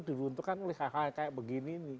diruntuhkan oleh hal hal kayak begini